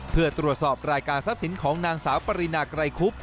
เพื่อตรวจสอบรายการทรัพย์สินของนางสาวปรินาไกรคุบ